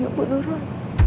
yang pun nurut